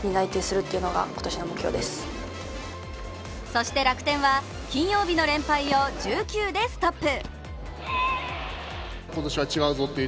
そして楽天は、金曜日の連敗を１９でストップ。